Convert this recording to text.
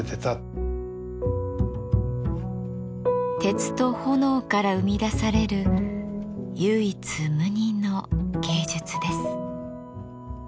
鉄と炎から生み出される唯一無二の芸術です。